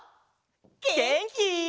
げんき？